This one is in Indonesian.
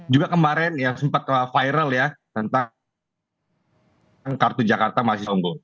juga kemarin yang sempat viral ya tentang kartu jakarta masih songgo